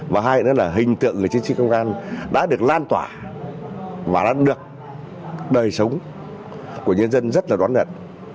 và hai nữa là hình tượng người chiến sĩ công an đã được lan tỏa và đã được đời sống của nhân dân rất là đón nhận